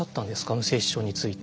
無精子症について。